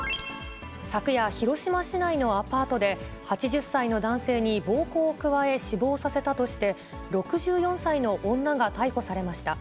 昨夜、広島市内のアパートで、８０歳の男性に暴行を加え、死亡させたとして、６４歳の女が逮捕されました。